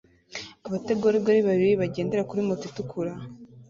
abategarugori babiri bagendera kuri moto itukura